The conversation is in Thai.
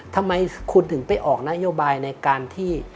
ทำไมคุณถึงไปออกนโยบายในการที่